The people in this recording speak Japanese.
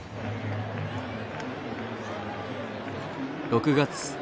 ６月。